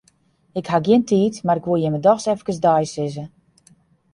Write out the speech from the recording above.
Ik haw gjin tiid, mar 'k woe jimme doch efkes deisizze.